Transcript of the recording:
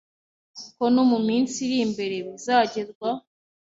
ko no mu minsi iri imbere bizagerwaho